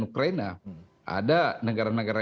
ukraina ada negara negara